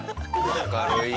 明るい。